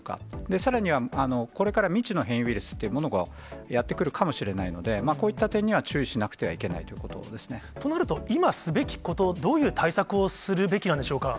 さらにはこれから未知の変異ウイルスというものがやって来るかもしれないので、こういった点には注意しなくてはいけないということなると、今すべきこと、どういう対策をするべきなんでしょうか。